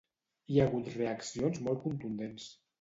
Hi ha hagut reaccions molt contundents.